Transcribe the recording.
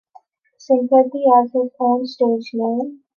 Sympathy as his own stage name.